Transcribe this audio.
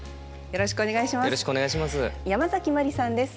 よろしくお願いします。